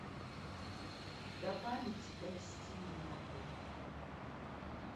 Да памяці дайсці не магу.